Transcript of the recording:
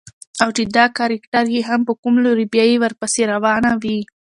او چې دا کرکټر يې په کوم لوري بيايي ورپسې روانه وي.